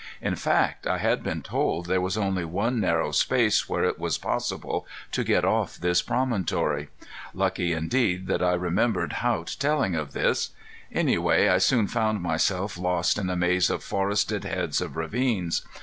In fact I had been told there was only one narrow space where it was possible to get off this promontory. Lucky indeed that I remembered Haught telling of this! Anyway I soon found myself lost in a maze of forested heads of ravines.